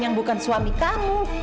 yang bukan suami kamu